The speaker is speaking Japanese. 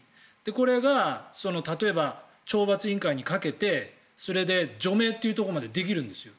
これが、例えば懲罰委員会にかけてそれで除名というところまでできるんですよ。